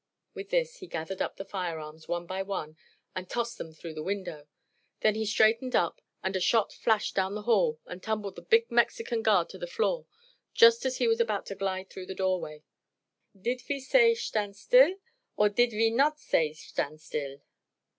With this he gathered up the firearms, one by one, and tossed them through the window. Then he straightened up and a shot flashed down the hall and tumbled the big Mexican guard to the floor just as he was about to glide through the doorway. "Dit ve say shtand still, or dit ve nod say shtand still?"